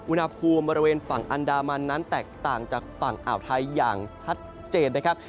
อุณหภูมิบริเวณฝั่งอันดามันนั้นแตกต่างจากฝั่งอ่าวไทยอย่างชัดเจนนะครับ